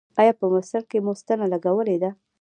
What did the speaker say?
ایا په مفصل کې مو ستنه لګولې ده؟